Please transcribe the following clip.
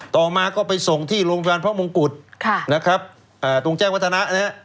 ต่อมาไปส่งที่โรงพยาบาลพระมงกุฐตรงแจ้งวัฒนะ